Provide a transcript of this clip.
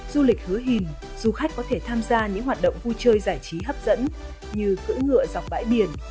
du lịch hứa hìn du khách có thể tham gia những hoạt động vui chơi giải trí hấp dẫn như cưỡi ngựa dọc bãi biển